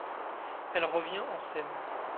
Elle revient en scène.